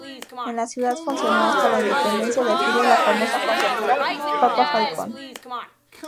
En la ciudad funcionó hasta la independencia de Argelia la famosa conservera Papa Falcone.